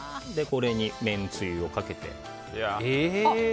これにめんつゆをかけて。